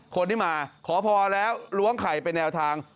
คนที่มาขอพรแล้วล้วงไข่เป็นแนวทาง